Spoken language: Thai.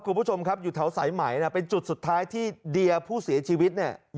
คุณผู้ชมครับอยู่แถวสายไหมนะเป็นจุดสุดท้ายที่เดียผู้เสียชีวิตเนี่ย